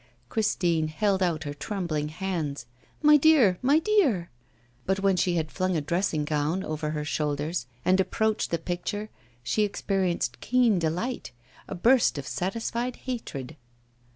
Christine held out her trembling hands. 'My dear, my dear!' But when she had flung a dressing gown over her shoulders, and approached the picture, she experienced keen delight, a burst of satisfied hatred.